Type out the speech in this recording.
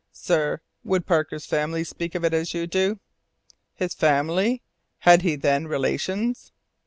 "Sir, would Parker's family speak of it as you do?" "His family! Had he then relations?"